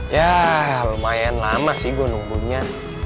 ya lumayan lama sih gue nunggunya